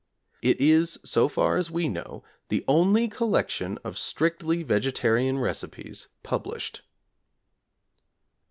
It is, so far as we know, the only collection of strictly vegetarian recipes published.